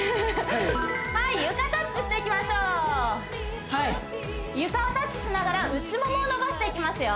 はい床タッチしていきましょう床をタッチしながら内ももを伸ばしていきますよ